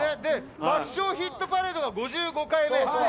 「爆笑ヒットパレード」が５５回目。